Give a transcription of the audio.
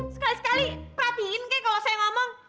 sekali sekali perhatiin kayak kalau saya ngomong